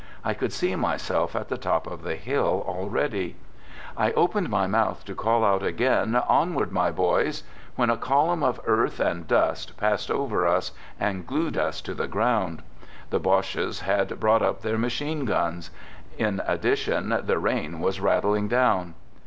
I could see myself at the top of the hill already. ... I opened my mouth to call out again :" Onward, my boys!" — when a column of earth and dust passed over us and glued us to the ground. The Boches had brought up their machine guns. In ad dition, the rain was rattling down.